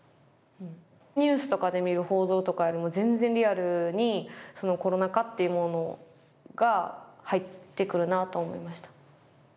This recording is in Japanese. ニュースとかで見る報道とかよりも全然リアルにコロナ禍っていうものが入ってくるなと思いました。